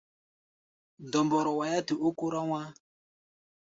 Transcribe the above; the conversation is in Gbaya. Dɔmbɔrɔ waiá tɛ ó kórá wá̧á̧.